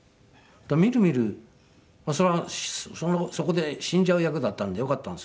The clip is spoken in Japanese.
みるみるそれはそこで死んじゃう役だったんでよかったんです。